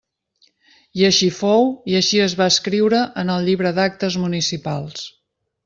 I així fou i així es va escriure en el llibre d'actes municipals.